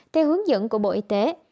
theo hướng dẫn của bộ y tế